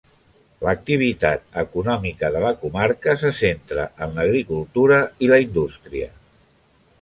L'activitat econòmica de la comarca se centra en l'agricultura i la indústria.